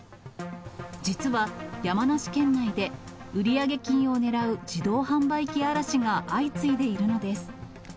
実は山梨県内で、売上金を狙う自動販売機荒らしが相次いでいるのです。